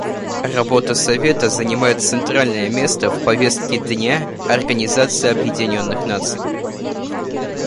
Работа Совета занимает центральное место в повестке дня Организации Объединенных Наций.